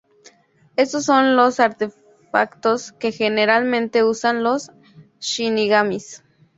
Estos son los artefactos que generalmente usan los shinigamis.